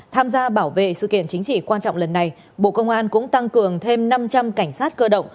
tham gia bảo vệ sự kiện chính trị quan trọng lần này bộ công an cũng tăng cường thêm năm trăm linh cảnh sát cơ động